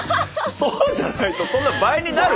そうじゃないとそんな倍になる？